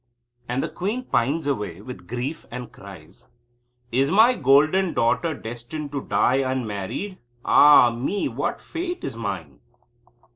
And the queen pines away with grief and cries: "Is my golden daughter destined to die unmarried? Ah me! What a fate is mine."